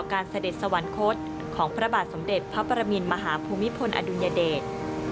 เสด็จสวรรคตของพระบาทสมเด็จพระปรมินมหาภูมิพลอดุลยเดช